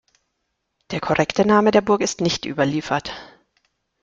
Der korrekte Name der Burg ist nicht überliefert.